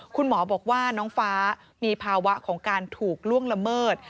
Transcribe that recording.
คุณหมอบอกว่าน้องฟ้ามีภาวะของการถูกล่วงละเมิด